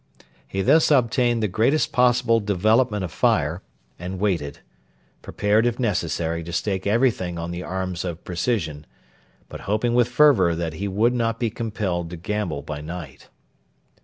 He thus obtained the greatest possible development of fire, and waited, prepared if necessary to stake everything on the arms of precision, but hoping with fervour that he would not be compelled to gamble by night.